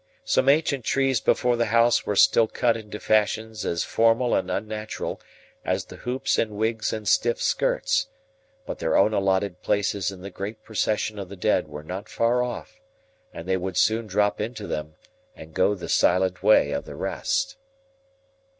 Some ancient trees before the house were still cut into fashions as formal and unnatural as the hoops and wigs and stiff skirts; but their own allotted places in the great procession of the dead were not far off, and they would soon drop into them and go the silent way of the rest.